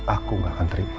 aku gak akan terima